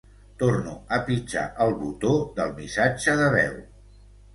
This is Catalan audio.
Torno a pitjar el botó del missatge de veu.